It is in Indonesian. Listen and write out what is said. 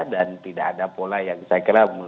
dan tidak ada pola yang saya kira